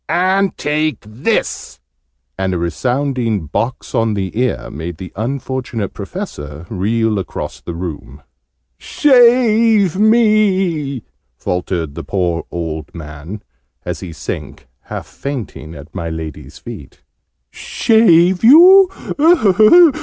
"And take this!" and a resounding box on the ear made the unfortunate Professor reel across the room. "Save me!" faltered the poor old man, as he sank, half fainting, at my Lady's feet. "Shave you?